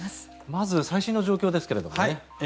まず最新の状況ですけれど。